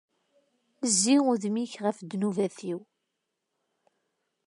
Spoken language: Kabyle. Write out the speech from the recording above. Zzi udem-ik ɣef ddnubat-iw.